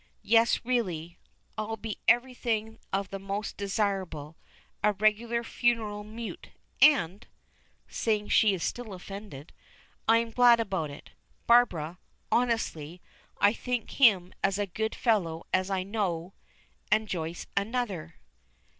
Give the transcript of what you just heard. Yes, really! I'll be everything of the most desirable. A regular funeral mute. And," seeing she is still offended, "I am glad about it, Barbara. Honestly I think him as good a fellow as I know and Joyce another."